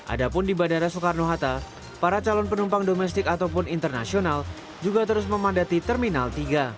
ada pun di bandara soekarno hatta para calon penumpang domestik ataupun internasional juga terus memandati terminal tiga